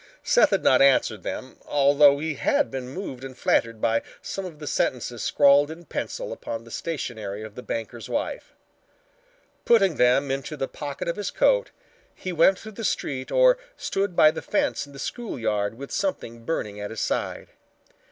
Seth had not answered them, although he had been moved and flattered by some of the sentences scrawled in pencil upon the stationery of the banker's wife. Putting them into the pocket of his coat, he went through the street or stood by the fence in the school yard with something burning at his side.